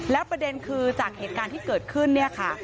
แล้วประเด็นคือจากเหตุการณ์ที่เกิดขึ้นเนี่ยค่ะ